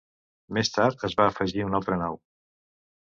Més tard, es va afegir una altra nau.